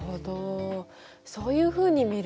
そういうふうに見るのね。